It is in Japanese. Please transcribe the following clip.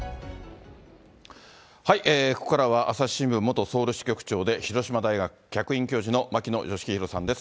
ここからは、朝日新聞元ソウル支局長で、広島大学客員教授の牧野愛博さんです。